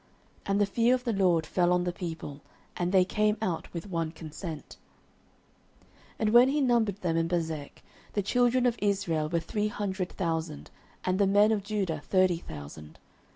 And the fear of the LORD fell on the people, and they came out with one consent. 09:011:008 And when he numbered them in Bezek, the children of Israel were three hundred thousand, and the men of Judah thirty thousand.